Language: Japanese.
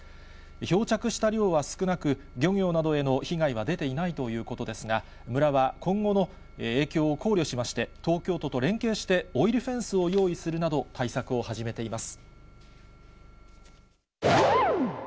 漂着した量は少なく、漁業などへの被害は出ていないということですが、村は今後の影響を考慮しまして、東京都と連携してオイルフェンスを用意するなど、対策を始めています。